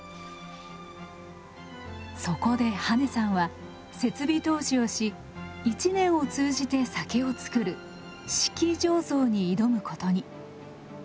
そこで羽根さんは設備投資をし１年を通じて酒を造る「四季醸造」に挑むことに。